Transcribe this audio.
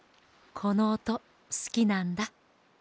このおとすきなんだ。